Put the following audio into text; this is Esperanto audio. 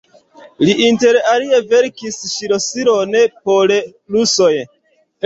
Li inter alie verkis ŝlosilon por rusoj.